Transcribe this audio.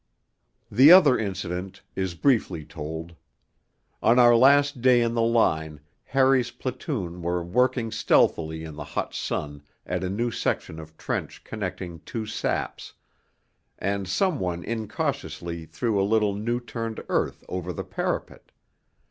II The other incident is briefly told. On our last day in the line Harry's platoon were working stealthily in the hot sun at a new section of trench connecting two saps, and some one incautiously threw a little new turned earth over the parapet.